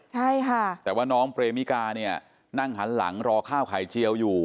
ใช่ค่ะแต่ว่าน้องเปรมิกาเนี่ยนั่งหันหลังรอข้าวไข่เจียวอยู่